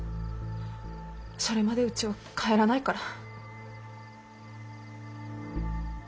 それまでうちは帰らないから。